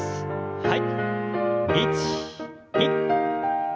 はい。